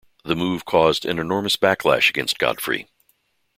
The move caused an enormous backlash against Godfrey.